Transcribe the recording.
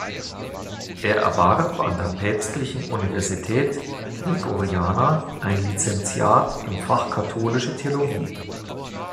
Er erwarb an der Päpstlichen Universität Gregoriana ein Lizenziat im Fach Katholische Theologie.